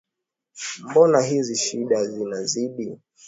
Mbona hizi shida zinazidi?